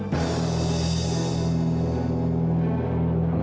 kamu ingat ya